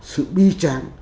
sự bi tráng